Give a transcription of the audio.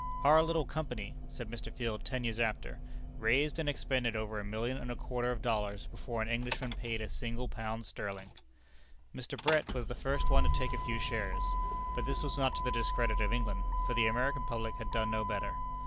"Our little company," said Mr. Field ten years after, "raised and expended over a million and a quarter of dollars before an Englishman paid a single pound sterling." Mr. Brett was the first one to take a few shares. But this was not to the discredit of England, for the American public had done no better.